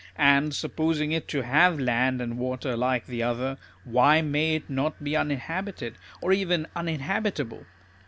And, supposing it to have land and water like the other, why may it not be uninhabited ? or even uninhabitable